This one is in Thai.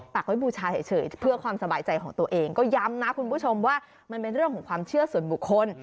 ไว้บูชาเฉยเพื่อความสบายใจของตัวเองก็ย้ำนะคุณผู้ชมว่ามันเป็นเรื่องของความเชื่อส่วนบุคคล